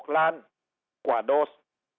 ๖ล้านกว่าโดส